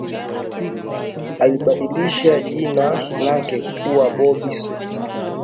Alibadilisha jina lake kuwa Bobbi Sox